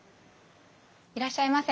いらっしゃいませ。